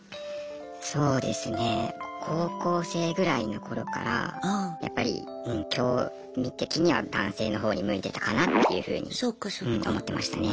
そうですね高校生ぐらいの頃からやっぱり興味的には男性の方に向いてたかなっていうふうに思ってましたね。